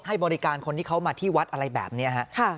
ให้บริการคนที่เขามาที่วัดอะไรแบบนี้ฮะ